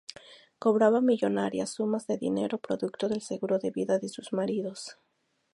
Cobraba millonarias sumas de dinero, producto del seguro de vida de sus maridos.